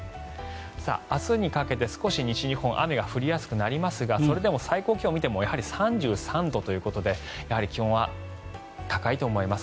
明日にかけて少し西日本は雨が降りやすくなりますがそれでも最高気温を見てもやはり３３度ということでやはり気温は高いと思います。